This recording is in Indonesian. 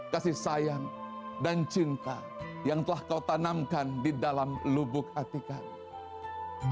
kasih sayang dan cinta yang telah kau tanamkan di dalam lubuk hati kami